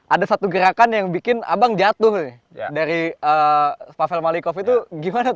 ada satu gerakan yang bikin abang jatuh dari pavel malikov itu gimana tuh dia frustasi apa gimana tuh bang